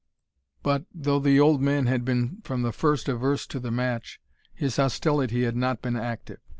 But, though the old man had been from the first averse to the match, his hostility had not been active.